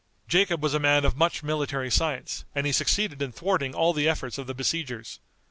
Jacob was a man of much military science, and he succeeded in thwarting all the efforts of the besiegers.